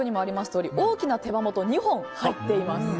とおり大きな手羽元２本入っております。